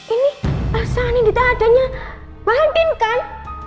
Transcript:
ini elsa anin dia adeknya mbak andin kan